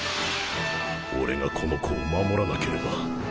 俺がこの子を守らなければ。